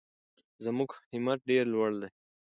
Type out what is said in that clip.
زموږ همت ډېر لوړ دی.